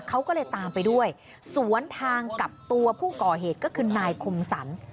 เขาก็เลยตามไปด้วยสวนทางกับตัวผู้ก่อเหตุก็คือนายคมสรร